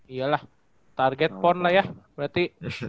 iya lah target pon lah ya berarti